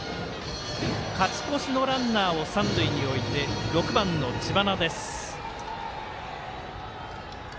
勝ち越しのランナーを三塁に置いて、６番の知花。